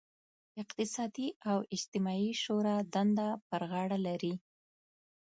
اقتصادي او اجتماعي شورا دنده پر غاړه لري.